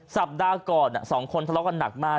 สัปดาห์ก่อนสองคนทะเลาะกันหนักมาก